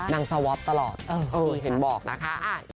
สวอปตลอดเห็นบอกนะคะ